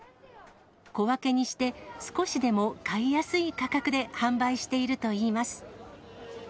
小分けにして、少しでも買いやすい価格で販売しているといいます。